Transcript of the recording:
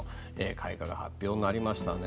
開花が発表になりましたね。